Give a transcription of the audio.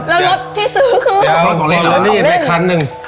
แล้วรถที่ซื้อคือรถของเล่นรถของเล่นแล้วรถของเล่นแล้วนี่แม่คันหนึ่ง